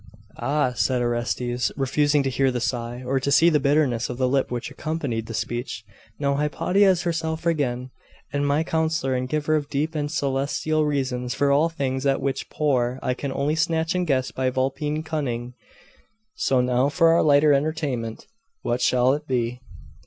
'Ah,' said Orestes, refusing to hear the sigh, or to see the bitterness of the lip which accompanied the speech 'now Hypatia is herself again; and my counsellor, and giver of deep and celestial reasons for all things at which poor I can only snatch and guess by vulpine cunning. So now for our lighter entertainment. What shall it be?